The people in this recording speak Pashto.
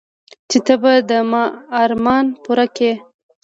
چې ته به د ما ارمان پوره كيې.